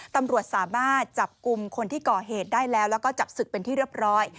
ตำรวจสามารถจับกลุ่มคนที่ก่อเหตุได้แล้วแล้วก็จับศึกเป็นที่เรียบร้อย